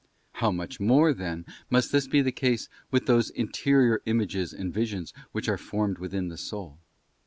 How much more, then, must this be the case with those interior images and visions which are formed within the soul?